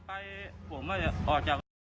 ไปผมออกจาก